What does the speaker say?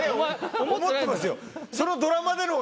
思ってますよ！